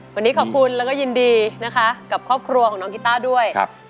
วันนี้ขอบคุณแล้วก็ยินดีนะคะกับครอบครัวของน้องกีต้าด้วย